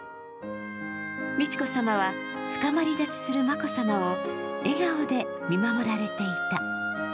美智子さまは、つかまり立ちする眞子さまを笑顔で見守られていた。